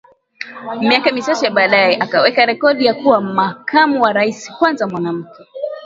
Miaka michache baadaye akaweka rekodi ya kuwa makamu wa rais kwanza mwanamke